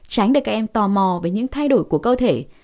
tránh để các em tò mò về những thay đổi của cơ thể